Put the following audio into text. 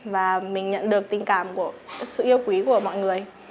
và mình nhận được tình cảm của sự yêu quý của mọi người